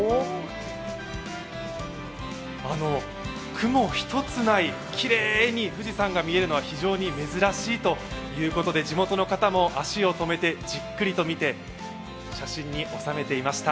雲一つないきれいに富士山が見えるのは非常に珍しいということで、地元の方も足を止めてじっくりと見て写真に収めていました。